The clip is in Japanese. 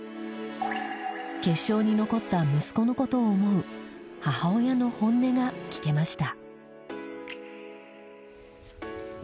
決勝に残った息子の事を思う母親の本音が聞けました。